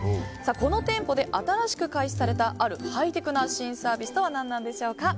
この店舗で新しく開始されたあるハイテクな新サービスとは何なんでしょか。